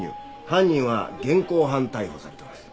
犯人は現行犯逮捕されてます。